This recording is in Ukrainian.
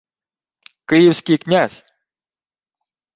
— Київський князь!